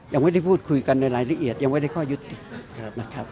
ยังไม่ได้พูดคุยกันในรายละเอียดยังไม่ได้ข้อยุตินะครับ